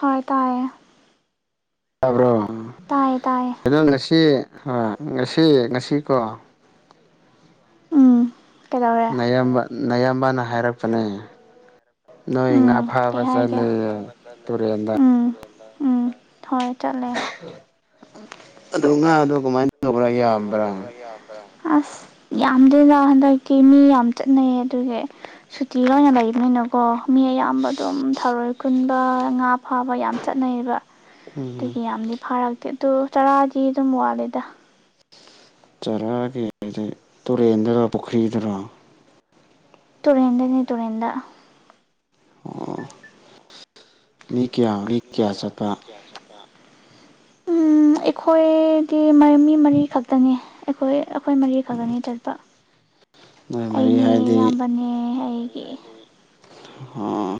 ꯍꯣꯏ ꯇꯥꯏ ꯌꯥꯕ꯭ꯔꯣ ꯇꯥꯏꯌꯦ ꯑꯗꯣ ꯉꯁꯤ ꯍꯣꯏ ꯉꯁꯤ ꯉꯁꯤꯀꯣ ꯎꯝ ꯀꯩꯗꯧꯔꯦ ꯅꯌꯥꯝꯕꯅ ꯍꯥꯏꯔꯛꯄꯅꯦ ꯅꯣꯏ ꯉꯥ ꯎꯝ ꯀꯩ ꯐꯥꯕ ꯆꯠ ꯍꯥꯏꯒꯦ ꯇꯨꯔꯦꯟꯗ ꯎꯝ ꯎꯝ ꯍꯣꯏ ꯆꯠꯂꯦꯦ ꯑꯗꯨ ꯉꯥꯗꯣ ꯀꯃꯥꯏꯅ ꯇꯧꯕ꯭ꯔꯥ ꯌꯥꯝꯕ꯭ꯔꯥ ꯑꯁ ꯌꯥꯝꯗꯦꯗ ꯍꯟꯗꯛꯀꯤ ꯃꯤ ꯌꯥꯝ ꯆꯠꯅꯩꯌꯦ ꯑꯗꯨꯒꯤ ꯁꯨꯇꯤ ꯂꯣꯏ ꯑꯣꯏꯅ ꯂꯩꯕꯅꯤꯅꯀꯣ ꯃꯤ ꯑꯌꯥꯝꯕ ꯑꯗꯨꯝ ꯊꯧꯔꯣꯏ ꯀꯨꯟꯕ ꯉꯥ ꯐꯥꯕ ꯌꯥꯝ ꯆꯠꯅꯩꯌꯦꯕ ꯎꯝ ꯑꯗꯨꯒꯤ ꯌꯥꯝꯗꯤ ꯐꯥꯔꯛꯇꯦ ꯑꯗꯨ ꯇꯔꯥꯗꯤ ꯑꯗꯨꯝ ꯋꯥꯠꯂꯦꯗ ꯆꯥꯔꯛꯑꯒꯦ ꯇꯨꯔꯦꯟꯗꯔꯣ ꯄꯨꯈ꯭ꯔꯤꯗꯔꯣ ꯇꯨꯔꯦꯟꯗꯅꯤ ꯇꯨꯔꯦꯟꯗ ꯑꯣ ꯃꯤ ꯀꯌꯥ ꯃꯤ ꯀꯌꯥ ꯆꯠꯄ ꯎꯝ ꯑꯩꯈꯣꯏꯗꯤ ꯃꯤ ꯃꯔꯤ ꯈꯛꯇꯅꯤ ꯑꯩꯈꯣꯏ ꯑꯩꯈꯣꯏ ꯃꯔꯤ ꯈꯛꯇꯅꯤ ꯆꯠꯄ ꯅꯣꯏ ꯃꯔꯤ ꯑꯩꯅꯦ ꯍꯥꯏꯗꯤ ꯏꯌꯥꯝꯕꯅꯦ ꯑꯩ ꯑꯣ ꯑꯣ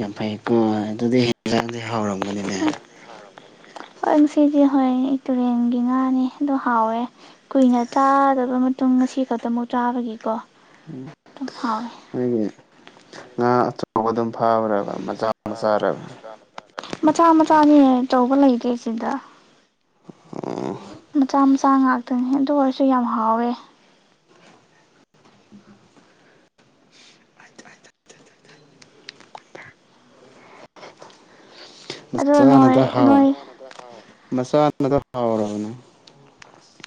ꯌꯥꯝ ꯐꯩꯀꯣ ꯑꯗꯨꯗꯤ ꯍꯥꯎꯔꯝꯒꯅꯤꯅꯦ ꯍꯣꯏ ꯉꯁꯤꯗꯤ ꯍꯣꯏꯅꯦ ꯇꯨꯔꯦꯟꯒꯤ ꯉꯥꯅꯤ ꯑꯗꯣ ꯍꯥꯎꯋꯦ ꯀꯨꯏꯅ ꯆꯥꯗꯕ ꯃꯇꯨꯡ ꯉꯁꯤ ꯈꯛꯇ ꯑꯃꯨꯛ ꯆꯥꯕꯒꯤꯀꯣ ꯑꯗꯨꯝ ꯍꯥꯎꯋꯦ ꯅꯣꯏꯒꯤ ꯉꯥ ꯑꯆꯧꯕ ꯑꯗꯨꯝ ꯐꯥꯕꯔꯕ ꯃꯆꯥ ꯃꯆꯥꯔꯕ ꯃꯆꯥ ꯃꯆꯥꯅꯦ ꯑꯆꯧꯕ ꯂꯩꯇꯦ ꯁꯤꯗ ꯑꯣ ꯃꯆꯥ ꯃꯆꯥ ꯉꯥꯛꯇꯅꯤ ꯑꯗꯨ ꯑꯣꯏꯔꯁꯨ ꯌꯥꯝ ꯍꯥꯎꯋꯦ ꯑꯗꯣ ꯅꯣꯏ ꯃꯆꯥꯅꯗ ꯍꯥꯎ ꯅꯣꯏ ꯃꯆꯥꯅꯗ ꯍꯥꯎꯔꯕꯅꯦ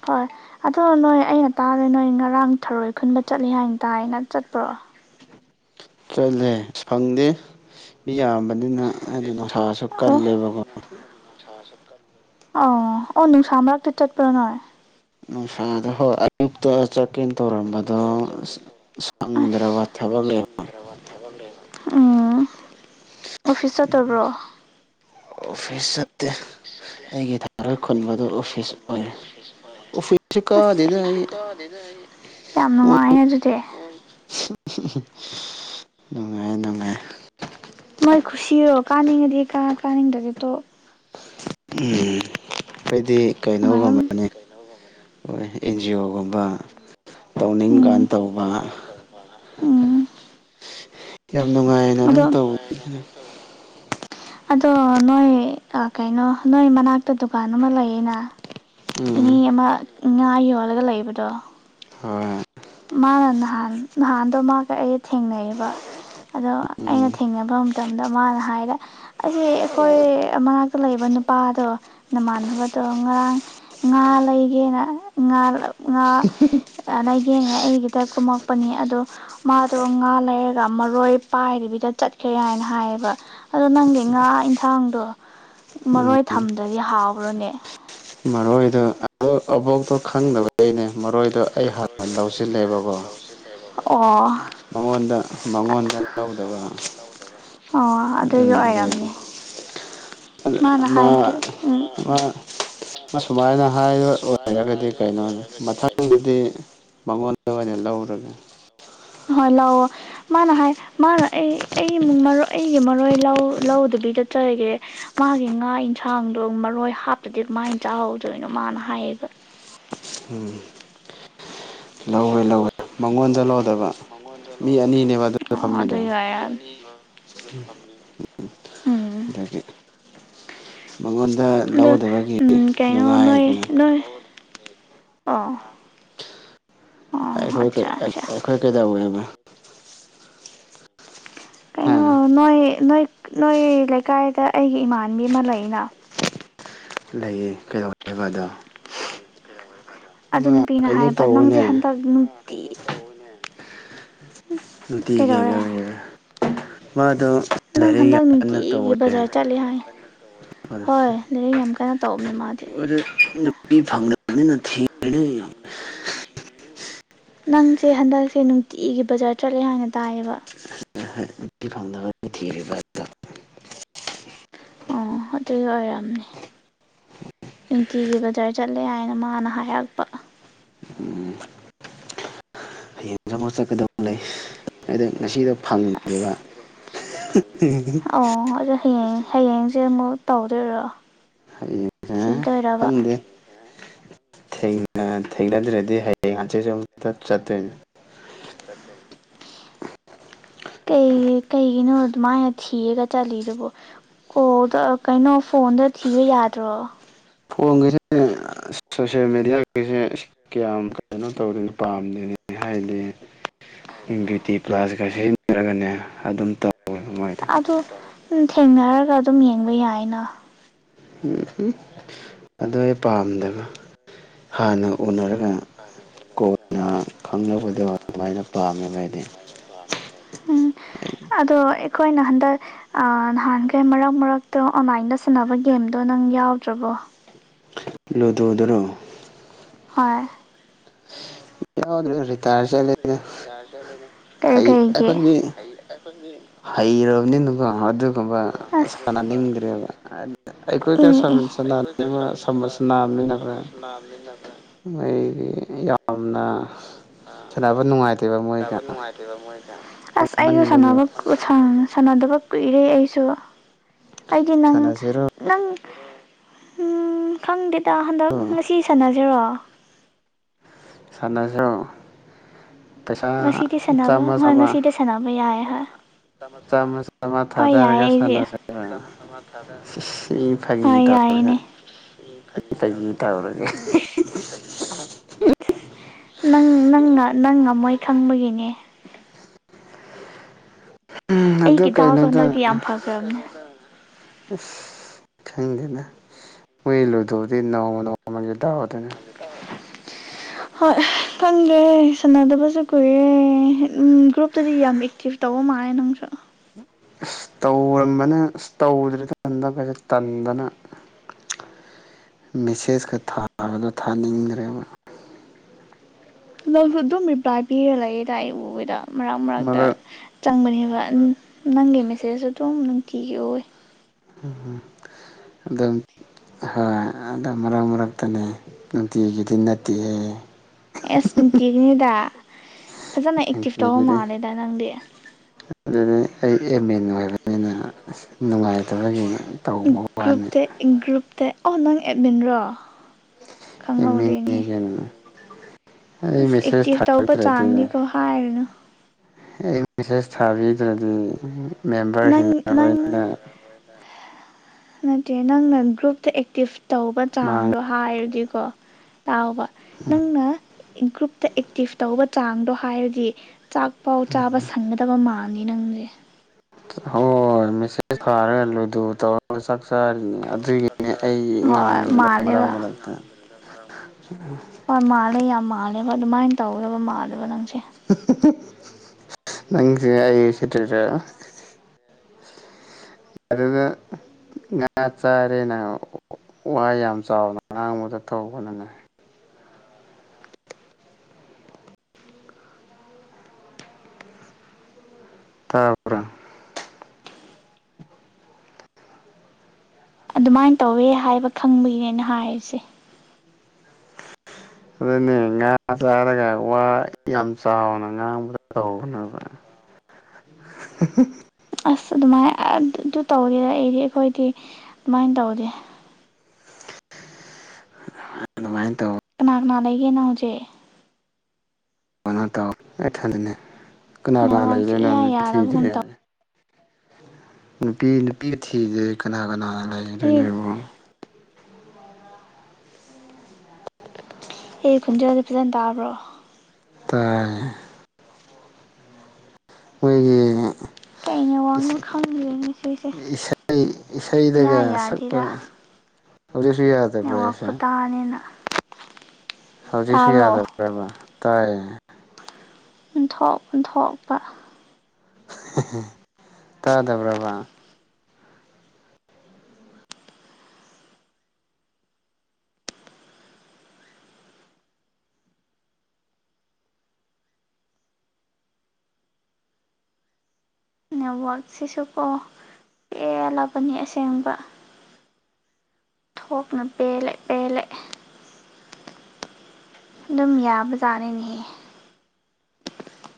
ꯍꯣꯏ ꯑꯗꯣ ꯅꯣꯏ ꯑꯩꯅ ꯇꯥꯔꯦ ꯅꯣꯏ ꯉꯔꯥꯡ ꯊꯔꯣꯏ ꯈꯨꯟꯕ ꯆꯠꯂꯤ ꯍꯥꯏꯅ ꯇꯥꯏꯅ ꯆꯠꯄ꯭ꯔꯣ [inaudible] ꯆꯠꯂꯦ ꯐꯪꯗꯦ ꯌꯥꯝꯕꯅꯤꯅ ꯍꯥꯏꯗꯤ ꯅꯨꯡꯁꯥꯁꯨ ꯑꯣ ꯀꯜꯂꯦꯕꯀꯣ ꯑꯣ ꯑꯣ ꯅꯨꯡꯁꯥ ꯃꯔꯛꯇ ꯆꯠꯄꯔ ꯅꯣꯏ ꯅꯨꯡꯁꯥ ꯍꯣꯏ ꯑꯌꯨꯛꯇ ꯆꯠ ꯆꯠꯀꯦꯅ ꯇꯧꯔꯝꯕꯗꯣ ꯑꯁ ꯁꯪꯗ꯭ꯔꯕ ꯊꯕꯛ ꯂꯩꯕ ꯎꯝ ꯑꯣꯐꯤꯁ ꯆꯠꯇꯕ꯭ꯔꯣ ꯑꯣꯐꯤꯁ ꯆꯠꯇꯦ ꯑꯩꯒꯤ ꯊꯥꯔꯣꯏ ꯦ ꯅꯒꯤ ꯈꯨꯟꯕꯗꯣ ꯊꯔꯣꯏ ꯑꯣꯐꯤꯁ ꯈꯨꯟꯕꯗꯨ ꯑꯣꯏꯔꯦ ꯑꯣꯐꯤꯁ ꯑꯣꯏꯔꯦ ꯑꯣꯐꯤꯁꯁꯨ ꯀꯥꯗꯦꯗ ꯑꯩ ꯑꯁ ꯌꯥꯝ ꯅꯨꯡꯉꯥꯏꯍꯦ ꯑꯗꯨꯗꯤ ꯅꯨꯡꯉꯥꯏ ꯅꯨꯡꯉꯥꯏ ꯃꯣꯏ ꯈꯨꯁꯤꯔꯣ ꯀꯥꯅꯤꯡꯉꯗꯤ ꯀꯥ ꯀꯥꯅꯤꯡꯗꯔꯗꯤ ꯇꯣꯛ ꯎꯝ ꯑꯩꯗꯤ ꯀꯩꯅꯣꯒꯨꯝꯕꯅꯤ ꯍꯣꯏ ꯑꯦꯟ ꯖꯤ ꯑꯣꯒꯨꯝꯕ ꯇꯧꯅꯤꯡꯀꯥꯟ ꯎꯝ ꯇꯧꯕ ꯎꯝ ꯀꯌꯥꯝ ꯅꯨꯡꯉꯥꯏꯅ ꯑꯗꯣ ꯑꯗꯨꯝ ꯇꯧꯋ ꯑꯗꯣ ꯅꯣꯏ ꯀꯩꯅꯣ ꯅꯣꯏ ꯃꯅꯥꯛꯇ ꯗꯨꯀꯥꯟ ꯑꯃ ꯂꯩꯌꯦꯅ ꯏꯅꯦ ꯎꯝ ꯑꯃ ꯉꯥ ꯌꯣꯜꯂꯒ ꯂꯩꯕꯗꯣ ꯍꯣꯏ ꯃꯥꯅ ꯅꯍꯥꯟ ꯅꯍꯥꯟꯗꯣ ꯃꯥꯒ ꯑꯩ ꯊꯦꯡꯅꯩꯌꯦꯕ ꯑꯗꯣ ꯑꯩꯅ ꯎꯝ ꯊꯦꯡꯅꯕ ꯃꯇꯝꯗ ꯃꯥꯅ ꯍꯥꯏꯔꯦ ꯑꯁꯤ ꯑꯩꯈꯣꯏ ꯃꯅꯥꯛꯇ ꯂꯩꯕꯅꯤ ꯅꯨꯄꯥꯗꯣ ꯅꯃꯥꯟꯅꯕꯗꯣ ꯉꯔꯥꯡ ꯉꯥ ꯂꯩꯒꯦꯅ ꯉꯥꯥ [unintelligible] ꯌꯦꯅ ꯑꯩꯒꯤꯗ ꯀꯨꯝꯃꯛꯄꯅꯤ ꯑꯗꯣ ꯃꯥꯗꯣ ꯉꯥ ꯂꯩꯔꯒ ꯃꯔꯣꯏ ꯄꯥꯏꯗꯕꯤꯗ ꯆꯠꯈꯔꯦ ꯀꯩ ꯍꯥꯏꯅ ꯍꯥꯏꯌꯦꯕ ꯑꯗꯣ ꯅꯪꯒꯤ ꯉꯥ ꯌꯦꯟꯁꯥꯡꯗꯣ ꯎꯝ ꯃꯔꯣꯏ ꯊꯝꯗ꯭ꯔꯗꯤ ꯍꯥꯎꯔꯣꯏꯅꯦ ꯃꯔꯣꯏꯗꯣ ꯑꯗꯨ ꯑꯕꯣꯛꯇꯣ ꯈꯪꯗꯕꯩꯅꯦ ꯃꯔꯣꯏꯗꯣ ꯑꯩ ꯍꯥꯟꯅ ꯂꯧꯁꯤꯜꯂꯦꯕꯀꯣ ꯑꯣ ꯃꯉꯣꯟꯗ ꯃꯉꯣꯟꯗ ꯂꯧꯗꯕ ꯑꯣ ꯑꯗꯨꯒꯤ ꯑꯗꯨꯅ ꯑꯗꯨꯒꯤ ꯑꯣꯏꯔꯝꯅꯤ ꯃꯥꯅ ꯍꯥꯏꯕꯗꯨ ꯎꯝ ꯁꯨꯃꯥꯏꯅ ꯍꯥꯏꯕ ꯑꯣꯏ ꯁꯨꯃꯥꯏꯅ ꯍꯥꯏꯕ ꯑꯣꯏꯔꯒꯗꯤ ꯀꯩꯅꯣ ꯃꯊꯪꯗꯨꯗꯤ ꯂꯧꯔꯒ ꯍꯣꯏ ꯂꯥꯛꯑꯣ ꯃꯥꯅ ꯍꯥꯏ ꯃꯥꯅ ꯑꯩ ꯑꯩꯒꯤ ꯃꯔꯣꯏ ꯑꯩꯒꯤ ꯃꯔꯣꯏ ꯂꯧꯗꯕꯤꯗ ꯆꯠ ꯀꯩꯒꯦ ꯃꯥꯒꯤ ꯉꯥ ꯌꯦꯟꯁꯥꯡꯗꯣ ꯃꯔꯣꯏ ꯍꯥꯞꯄꯗꯤ ꯀꯃꯥꯏꯅ ꯆꯥꯎꯍꯧꯗꯣꯏꯅꯣ ꯃꯥꯅ ꯍꯥꯏꯌꯦꯕ ꯎꯝ ꯂꯧꯋꯦ ꯂꯧꯋꯦ ꯃꯉꯣꯟꯗ ꯂꯧꯗꯕ ꯃꯤ ꯑꯅꯤꯅꯦꯕ ꯑꯗꯨꯗ ꯑꯣ ꯐꯝꯃꯤꯗꯣ ꯑꯗꯨ ꯌꯥꯔꯦ ꯎꯝ ꯑꯗꯒꯤ ꯃꯉꯣꯟꯗ ꯑꯗ ꯂꯧꯗꯕꯒꯤ ꯎꯝ ꯀꯩꯅꯣ ꯅꯣꯏ ꯅꯨꯡꯉꯥꯏꯗꯅ ꯅꯣꯏ ꯑꯥ ꯑꯩꯈꯣꯏ ꯑꯩꯈꯣꯏ ꯀꯩꯗꯧꯋꯦꯕ ꯍꯥ ꯀꯩꯅꯣ ꯅꯣꯏ ꯅꯣꯏ ꯅꯣꯏ ꯂꯩꯀꯥꯏꯗ ꯑꯩꯒꯤ ꯏꯃꯥꯟꯕꯤ ꯑꯃ ꯂꯩꯅ ꯂꯩꯌꯦ ꯀꯩꯗꯧꯦ ꯍꯥꯏꯕ ꯑꯗꯣ ꯑꯗꯨ ꯃꯥ ꯅꯨꯄꯤꯅ ꯀꯩꯅꯣ ꯍꯥꯏꯕ ꯅꯪꯁꯦ ꯇꯧꯕꯅꯦ ꯍꯟꯗꯛ ꯅꯨꯡꯇꯤ ꯀꯩꯗꯧꯔꯦ ꯊꯒꯦꯒ ꯑꯗꯣ ꯅꯪ ꯂꯥꯏꯔꯤꯛ ꯍꯟꯗꯛ ꯌꯥꯝꯅ ꯅꯨꯡꯇꯤꯒꯤ ꯇꯧꯋꯦ ꯕꯖꯥꯔ ꯆꯠꯂꯦ ꯍꯥꯏ ꯍꯣꯏ ꯂꯥꯏꯔꯤꯛ ꯌꯥꯝ ꯀꯟꯅ ꯇꯧꯕꯅꯦ ꯃꯥꯗꯤ ꯅꯨꯄꯤ ꯐꯪꯅꯤꯊ ꯊꯥꯡꯝꯂꯕꯅ [unintelligible] ꯅꯪꯁꯦ ꯍꯟꯗꯛꯁꯦ ꯅꯨꯡꯇꯤꯒꯤ ꯕꯖꯥꯔ ꯆꯠꯂꯦ ꯍꯥꯏꯥꯟꯅ ꯇꯥꯏꯌꯦꯕ [unintelligible] ꯑꯣꯠꯇ ꯑꯣꯏꯔ ꯅꯨꯡꯇꯤꯒꯤ ꯕꯖꯔ ꯆꯠꯂꯦ ꯍꯥꯏꯅ ꯃꯥꯅ ꯍꯥꯏꯔꯛꯄ ꯎꯝ ꯍꯌꯦꯡ ꯆ ꯑꯃ ꯆꯠꯀꯗꯕ ꯂꯩ ꯑꯗ ꯉꯁꯤꯗ ꯑꯣ ꯑꯗꯨ ꯍꯌꯦ ꯍꯌꯦꯡꯁꯦ ꯑꯃꯨꯛ ꯇꯧꯗꯣꯏꯔꯣ ꯍꯌꯦꯡꯁꯦ ꯊꯤꯗꯣꯏꯔꯕ ꯈꯪꯗꯦ ꯊꯦꯡꯅꯗ꯭ꯔꯗꯤ ꯍꯌꯦꯡ ꯉꯆꯦꯁꯨ ꯑꯃꯨꯇ ꯆꯠꯇꯣꯏꯅꯦ [unintelligible] ꯀꯩ ꯀꯩꯒꯤꯅꯣꯃꯥꯏꯅ ꯊꯤꯔꯒ ꯆꯠꯂꯤꯗꯨꯕꯣ ꯑꯣ ꯀꯩꯅꯣ ꯐꯣꯟꯗ ꯊꯤꯕ ꯌꯥꯗ꯭ꯔꯣ ꯐꯣꯟꯒꯤꯁꯦ ꯁꯣꯁꯦꯜ ꯃꯦꯗꯤꯌꯥꯒꯤꯁꯦ ꯀꯌꯥꯝ ꯀꯩꯅꯣ ꯇꯧꯔꯤꯅꯣ ꯄꯥꯝꯗꯅꯦ ꯍꯥꯏꯗꯤ ꯕꯌꯨꯇꯤ ꯄ꯭ꯂꯥꯁ ꯈꯔ ꯁꯤꯖꯤꯟꯅꯔꯒꯅꯦ ꯑꯗꯨꯝ ꯇꯧ ꯑꯗꯨ ꯎ ꯊꯦꯡꯅꯔꯒ ꯑꯗꯨꯝ ꯌꯦꯡꯕ ꯌꯥꯏꯅ ꯎꯝ ꯎꯝ ꯑꯗꯨꯣ ꯑꯩ ꯄꯥꯝꯗꯕ ꯍꯥꯟꯅ ꯎꯅꯔꯛ ꯀꯣꯏꯅ ꯈꯪꯅꯕꯗꯣ ꯑꯗꯨꯃꯥꯏꯅ ꯄꯥꯝꯃꯦꯕ ꯍꯥꯏꯗꯤ ꯎꯝ ꯑꯗꯣ ꯑꯩꯈꯣꯏꯅ ꯅꯍꯥꯟꯈꯩ ꯃꯔꯛ ꯃꯔꯛꯇ ꯑꯣꯟꯂꯥꯏꯟꯗ ꯁꯥꯟꯟꯅꯅꯕ ꯒꯦꯝꯗꯣ ꯅꯪ ꯌꯥꯎꯗ꯭ꯔꯕꯣ ꯂꯨꯗꯗꯔꯣ ꯍꯣꯏ ꯌꯥꯎꯗ꯭ꯔ ꯀꯩ ꯀꯩꯒꯤ ꯍꯩꯔꯕꯅꯤ ꯀ ꯑꯗꯨ ꯑꯁ ꯁꯥꯟꯅꯅꯤꯡꯗ꯭ꯔꯦꯕ ꯑꯩꯈꯣꯏ ꯑꯦ ꯁꯝꯁ ꯅꯃꯤ ꯂ ꯃꯣꯏꯗꯤ ꯌꯥꯝꯅ ꯁꯥꯟꯅꯕ ꯅꯨꯡꯉꯥꯏꯇꯦꯕ ꯃꯣꯏꯒ ꯑꯁ ꯑꯩꯁꯨ ꯃꯟꯕꯒꯤ ꯁꯥꯟꯅꯕ ꯁꯥꯟꯅꯗꯕ ꯀꯨꯏꯔꯦ ꯑꯩꯁꯨ ꯑꯩꯗꯤ ꯅꯪ ꯁꯥꯟꯅꯁꯤꯔꯣ ꯅꯪ ꯎ ꯈꯪꯗꯦ ꯏꯇꯥ ꯍꯟꯗꯛ ꯉꯁꯤ ꯁꯥꯟꯅꯁꯤꯔꯣ ꯁꯥꯟꯅꯁꯤ ꯄꯩꯁꯥ ꯉꯁꯤꯗꯤ ꯁꯥꯟꯅꯕ ꯆꯥꯝꯃ ꯍꯣꯏ ꯆꯥꯝꯃ ꯉꯁꯤꯗꯤ ꯁꯥꯟꯅꯕ ꯌꯥꯏ ꯍꯣꯏ ꯆꯥꯝꯃ ꯆꯥꯝꯃ ꯍꯣꯏ ꯌꯥꯏ ꯊꯥꯗꯔꯒ ꯑꯩꯁ ꯁꯥꯟꯅꯁꯦ ꯁꯤ ꯐꯥꯒꯤ ꯍꯣꯏ ꯇꯧꯔꯒ ꯌꯥꯏꯦ ꯁꯤ ꯈꯖꯤ ꯐꯥꯒꯤ ꯇꯔ ꯇꯧꯔꯒ ꯁꯤ ꯈꯖꯤ ꯇꯔꯒ ꯅꯪ ꯅꯪꯅ ꯅꯪꯅ ꯃꯣꯏ ꯈꯪꯕꯒꯤꯅꯦ ꯎꯝ ꯑꯗꯨ ꯑꯩꯒꯤ ꯗꯥꯎꯁꯨ ꯀꯩꯅꯣꯗ ꯍꯟꯗꯛꯇꯤ ꯌꯥꯝ ꯐꯈ꯭ꯔꯕꯅꯦ ꯑꯁ ꯈꯪꯗꯦꯅ ꯃꯣꯏ ꯂꯣꯏꯗꯧꯗꯤ ꯅꯣꯡꯃ ꯅꯣꯡꯃꯒꯤ ꯇꯎꯗꯅ [unintelligible] ꯍꯣꯏ ꯈꯪꯗꯦ ꯁꯥꯟꯅꯗꯕꯁꯨ ꯀꯨꯏꯔꯦ ꯎ ꯒ꯭ꯔꯨꯞꯇꯗꯤ ꯌꯥꯝ ꯑꯦꯛꯇꯤꯚ ꯇꯧ ꯃꯥꯅꯦ ꯅꯪꯁꯨ ꯎꯝ ꯑ ꯇꯧꯔꯝꯕꯅ ꯇꯧꯗ꯭ꯔꯦ ꯇꯟꯗ ꯀꯩꯁꯦ ꯇꯟꯗꯅ ꯃꯦꯁꯦꯖꯀ ꯊꯥꯕꯗ ꯊꯥꯅꯤꯡꯗ꯭ꯔꯦꯕ ꯅꯁꯨ ꯑꯗꯨꯝ ꯔꯤꯄ꯭ꯂꯥꯏ ꯄꯤꯔ ꯂꯩꯦꯗ ꯏ ꯎꯗ ꯃꯔꯛ ꯃꯔꯛꯇ ꯃꯔꯛ ꯆꯪꯕꯅꯦꯕ ꯅꯪꯒꯤ ꯃꯤ ꯁꯦꯁꯨ ꯑꯗꯨꯝ ꯅꯨꯡꯇꯤꯒꯤ ꯑꯣꯏ ꯎꯝ ꯑꯗ ꯍꯣꯏ ꯑꯗꯣ ꯃꯔꯛ ꯃꯔꯛꯇꯅꯦ ꯅꯨꯡꯇꯤꯒꯤꯗꯤ ꯅꯠꯇꯦꯍ ꯑꯦ ꯁꯃꯤꯇꯤꯒꯅꯤꯗꯥ ꯖꯅ ꯑꯦꯛꯛꯇꯤꯞꯇꯥꯎ ꯍ ꯅꯨꯡꯇꯤꯒꯤꯗꯤ ꯃꯥꯂꯦꯗ ꯅꯪꯗꯤꯦ ꯑꯗꯨꯗꯤ ꯑꯩ ꯑꯦꯝ ꯑꯦꯟ ꯑꯣꯏꯕꯅꯤꯅ ꯅꯨꯡꯉꯥꯏꯇꯕꯒꯤ ꯇꯧꯕ ꯋꯥꯅꯤ ꯒ꯭ꯔꯨꯞꯇ ꯒ꯭ꯔꯨꯞꯇ ꯑꯣ ꯅꯪ ꯑꯦꯠꯃꯤꯟꯔꯣ ꯑꯦꯃꯤ ꯀꯩꯅꯅ ꯑꯁ ꯑꯦꯛꯇꯤꯚ ꯇꯧꯕ ꯊꯥꯔꯛꯇ꯭ꯔꯗꯤ ꯆꯥꯡꯅꯤꯀꯣ ꯍꯥꯏꯔꯅ ꯑꯩ ꯃꯤꯁꯦ ꯊꯕꯤꯗ꯭ꯔꯗꯤ ꯅꯪ ꯃꯦꯝꯕꯔꯁꯤꯡꯒ ꯅꯪ ꯂꯣꯏꯅꯅ ꯅꯠꯇꯦ ꯅꯪꯅ ꯒ꯭ꯔꯨꯞꯇ ꯑꯦꯛꯇꯤꯚ ꯇꯧꯕ ꯃꯥꯡ ꯆꯥꯡꯗꯣ ꯍꯥꯏꯔꯗꯤꯀꯣ ꯇꯥꯎꯕ ꯅꯪꯅ ꯒ꯭ꯔꯨꯞꯇ ꯑꯦꯛꯇꯤꯞ ꯇꯧꯕ ꯆꯥꯡꯗꯣ ꯍꯥꯏꯔꯗꯤ ꯆꯥꯛ ꯄꯥꯎ ꯆꯥꯕ ꯁꯪꯒꯗꯕ ꯃꯥꯜꯅꯤ ꯅꯪꯁꯦ ꯍꯣꯏꯣꯏ ꯃꯤꯁ ꯐꯥꯔꯦꯜꯂꯨꯗ ꯇꯧ ꯆꯥꯔꯤꯅꯦ ꯑꯗꯨꯒꯤꯅꯦ ꯑꯩ ꯍꯣꯏ ꯉꯝꯗ꯭ꯔꯦꯗ ꯃꯔꯛ ꯃꯥꯜꯂꯦꯕ ꯃꯔꯛꯇ ꯍꯣꯏ ꯃꯥꯜꯂꯦ ꯌꯥꯝ ꯃꯥꯜꯂꯦꯕꯣꯏ ꯑꯗꯨꯃꯥꯏꯅ ꯇꯧꯕ ꯃꯥꯜꯂꯦ ꯅꯪ ꯍꯥꯏꯏ ꯁꯤ ꯑꯗꯨꯅ ꯉꯥ ꯆꯥꯔꯦꯅ ꯋꯥ ꯌꯥꯝ ꯆꯥꯎꯅ ꯉꯥꯡꯕꯗ ꯊꯧꯕꯅꯤꯅꯦ [inaudible] ꯇꯥꯄꯔ ꯑꯗꯨꯃꯥꯏꯅ ꯇꯧꯋꯦ ꯍꯥꯏꯕ ꯈꯪꯕꯒꯤꯅꯦꯅ ꯍꯥꯏꯔꯤꯁꯦ ꯑꯗꯨꯅꯦ ꯉꯥ ꯆꯥꯔꯒ ꯋꯥ ꯌꯥꯝ ꯆꯥꯎꯅ ꯉꯥꯡꯕꯗ ꯇꯧꯕꯅꯦꯕ [inaudible] ꯑꯁ ꯑꯗꯨꯃꯥꯏ ꯑꯗꯨ ꯇꯧꯔꯤꯦꯗ ꯑꯩꯗꯤ ꯑꯩꯈꯣꯏꯗꯤ ꯑꯗꯨꯃꯥꯏꯅ ꯇꯧꯗꯦ ꯑꯗꯨꯃꯥꯏꯅ ꯇꯧ ꯀꯅꯥ ꯀꯅꯥ ꯂꯩꯒꯦꯅꯣ ꯍꯧꯖꯤꯦ ꯅ ꯇ ꯀꯅꯥ ꯀꯅꯥ ꯅꯦꯠꯋꯥꯛꯁꯦ ꯂꯩꯔꯦꯅ ꯏꯌꯥ ꯌꯥꯗꯕꯒꯨꯝ ꯊꯤꯗ꯭ꯔꯦ ꯇꯧ ꯅꯨꯄꯤ ꯅꯨꯄꯤ ꯊꯤꯤꯁꯦ ꯀꯅꯥ ꯀꯅꯥ ꯑꯩ ꯂꯩꯗꯣꯏꯅꯣꯕ ꯑꯦ ꯈꯨꯣꯟꯖꯦꯜꯁꯦ ꯐꯖꯅ ꯇꯥꯕ꯭ꯔꯣ ꯇꯥꯏ ꯑꯩꯈꯣꯏꯒꯤ ꯀꯩ ꯅꯦꯠꯋꯥꯛꯅꯣ ꯈꯪꯗ꯭ꯔꯦ ꯉꯁꯤꯁꯦ ꯏꯁꯩ ꯏꯌꯥ ꯏꯁꯩꯗꯒ ꯁꯛꯄ ꯌꯥꯗꯦꯗ ꯍꯧꯗꯁꯨ ꯌꯥꯦ ꯅꯦꯠꯋꯥꯛ ꯄ꯭ꯔꯦꯁꯦ ꯈꯨꯇꯥꯅꯤꯅ ꯍꯧꯖꯤꯛꯁꯨ ꯇꯥꯕ꯭ꯔꯣ ꯌꯥꯗ꯭ꯔꯕ ꯇꯥꯏ ꯣꯛꯟ ꯊꯣꯛꯣꯛꯄ ꯇꯥꯗꯕ꯭ꯔꯕ ꯅꯦꯠꯋꯥꯛꯛꯁꯤꯁꯨꯀꯣ ꯄꯦꯜꯂꯕꯅꯤ ꯑꯁꯦꯡꯕ ꯊꯣꯛꯣꯛꯅ ꯄꯦꯜꯂ ꯄꯦꯜꯂ ꯑꯗꯨꯝ ꯌꯥꯕꯖꯥꯅꯤꯅꯤꯍ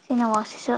ꯆꯅꯦꯃꯥꯁꯤꯁꯨ